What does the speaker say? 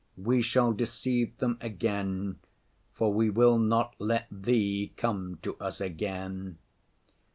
We shall deceive them again, for we will not let Thee come to us again.